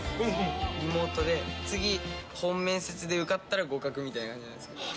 リモートで次、本面接で受かったら合格みたいな感じなんですよ。